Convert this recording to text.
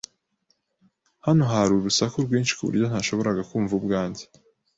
Hano hari urusaku rwinshi ku buryo ntashoboraga kumva ubwanjye.